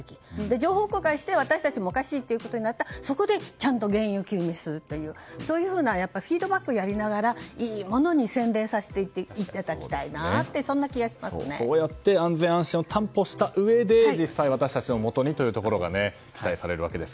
情報公開して私たちもおかしいとなったらそこでちゃんと原因を究明するというフィードバックをやりながらいいものに洗練させてそうやって安全・安心を担保したうえで実際、私たちのもとにというのが期待されますが。